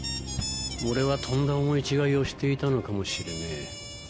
俺はとんだ思い違いをしていたのかもしれねえ。